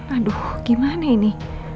aduh gimana ini